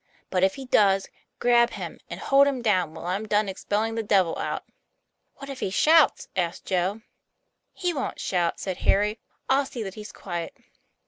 But if he does, grab him, and hold him down till I'm done expelling the devil out." "What if he shouts?" asked Joe. "He wont shout," said Harry; "I'll see that he's quiet."